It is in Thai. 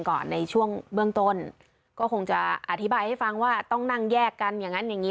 คือต้องนั่งแยกกันอย่างนั้นอย่างนี้